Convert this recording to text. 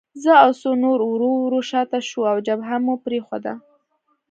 زه او څو نور ورو ورو شاته شوو او جبهه مو پرېښوده